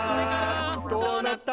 「どうなった？」